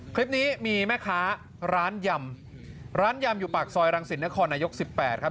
คลิปนี้มีแม่ค้าร้านยำร้านยำอยู่ปากซอยรังสิตนครนายก๑๘ครับ